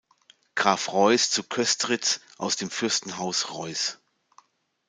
Graf Reuß zu Köstritz aus dem Fürstenhaus Reuß.